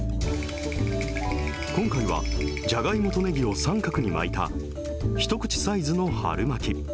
今回は、じゃがいもとねぎを三角に巻いた、一口サイズの春巻。